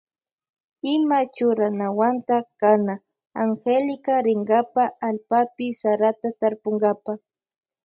Ima churanawanta kana Angélica rinkapa allpapi sarata tarpunkapa.